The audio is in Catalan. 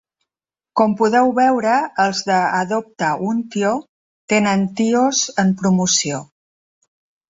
Com podeu veure els de ‘adoptauntio’ tenen ‘tios’ en promoció.